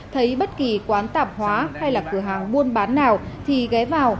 thấy bất kỳ quán tạp hóa hay là cửa hàng buôn bán nào thì ghé vào